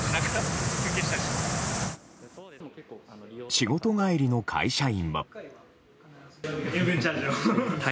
仕事帰りの会社員も。